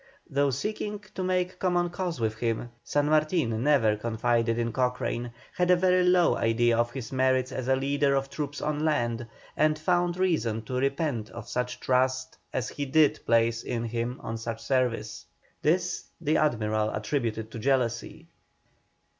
Though seeking to make common cause with him, San Martin never confided in Cochrane, had a very low idea of his merits as a leader of troops on land, and found reason to repent of such trust as he did place in him on such service. This the Admiral attributed to jealousy.